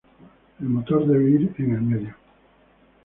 El motor debe ir en el medio.